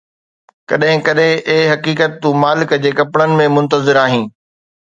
ڪڏهن ڪڏهن، اي حقيقت، تون مالڪ جي ڪپڙن ۾ منتظر آهين